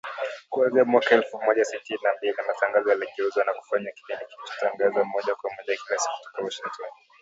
Kuanzia mwaka elfu moja sitini na mbili, matangazo yaligeuzwa na kufanywa kipindi kilichotangazwa moja kwa moja, kila siku kutoka Washington